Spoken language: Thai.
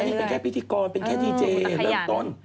นี่เป็นแค่พิธีกรเป็นแค่ดีเจเริ่มต้น